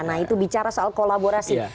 nah itu bicara soal kolaborasi